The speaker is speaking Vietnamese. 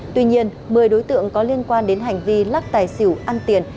tuy nhiên một mươi đối tượng có liên quan đến hành vi lắc tài xỉu ăn tiền